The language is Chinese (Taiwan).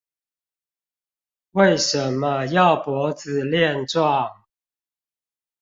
為什麼要脖子練壯